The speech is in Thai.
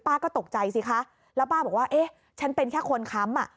ก็ตกใจสิคะแล้วป้าบอกว่าเอ๊ะฉันเป็นแค่คนค้ำอ่ะ